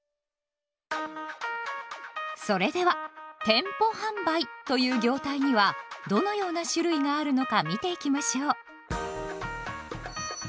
それでは「店舗販売」という業態にはどのような種類があるのか見ていきましょう。